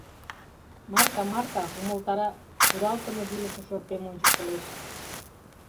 — Марка, марка! — умылтара, кудалтыме йӱлышӧ шырпем ончыктылеш.